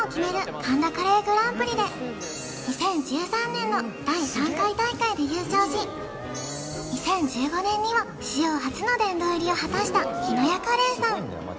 神田カレーグランプリで２０１３年の第３回大会で優勝し２０１５年には史上初の殿堂入りを果たした日乃屋カレーさん